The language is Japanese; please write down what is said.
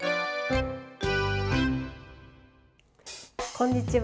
こんにちは。